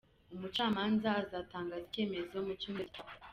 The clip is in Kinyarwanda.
Umucamanza azatangaza icyemezo mu cyumweru gitaha.